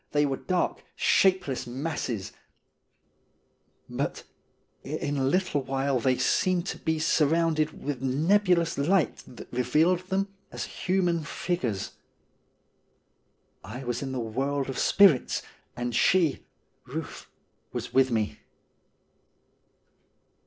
They were dark, shapeless masses ; but in a little while they seemed to be surrounded with nebulous light that revealed them as human figures. I was in the world of spirits and she (Euth) was with me.